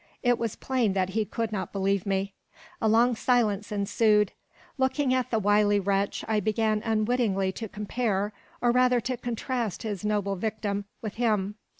It was plain that he could not believe me. A long silence ensued. Looking at the wily wretch, I began unwittingly to compare, or rather to contrast his noble victim with him.